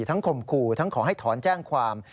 ทั้งคมคู่ทั้งขอให้ถอนแจ้งความ